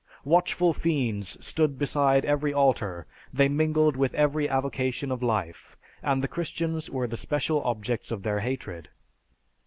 Watchful fiends stood beside every altar, they mingled with every avocation of life, and the Christians were the special objects of their hatred.